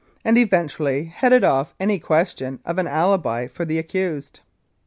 and effectually headed off any question of an alibi for the accused.